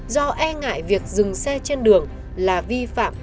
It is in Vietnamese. do e ngại việc dừng xe trên đường là vi phạm